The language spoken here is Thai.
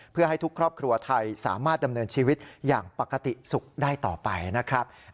เพื่อให้ทุกครอบครัวไทยสามารถดำเนินชีวิตอย่างปกติสุขได้ต่อไปนะครับ